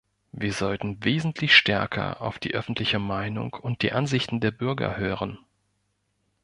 Wir sollten wesentlich stärker auf die öffentliche Meinung und die Ansichten der Bürger hören.